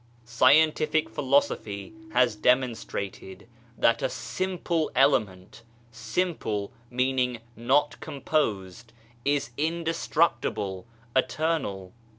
Scientific philosophy has demonstrated that a simple element (" simple/' meaning " not composed ") is indestructible, eternal.